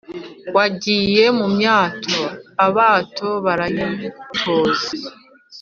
wagiye mu myato abato barayitoza